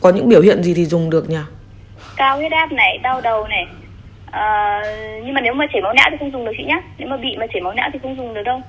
nhưng mà nếu mà chảy máu não thì không dùng được chị nhá nếu mà bị mà chảy máu não thì không dùng được đâu